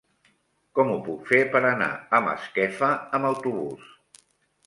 Com ho puc fer per anar a Masquefa amb autobús?